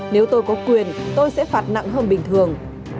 nếu tôi có quyền tôi sẽ phạt nặng hơn bình thường